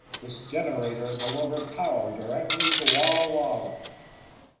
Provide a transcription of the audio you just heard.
This generator delivered power directly to Walla Walla.